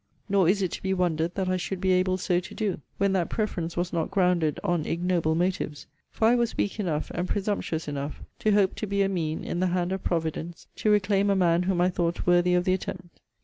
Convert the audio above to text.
Nor is it to be wondered that I should be able so to do, when that preference was not grounded on ignoble motives. For I was weak enough, and presumptuous enough, to hope to be a mean, in the hand of Providence, to reclaim a man whom I thought worthy of the attempt.